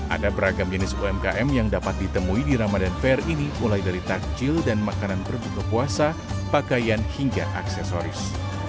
ada beragam jenis umkm yang dapat ditemui di ramadan fair ini mulai dari takjil dan makanan berbuka puasa pakaian hingga aksesoris